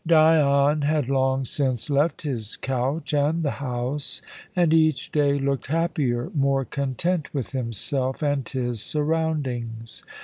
Dion had long since left his couch and the house, and each day looked happier, more content with himself and his surroundings.